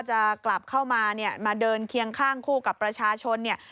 จะกลับเข้ามาเดินเคียงข้างคู่กับประชาชน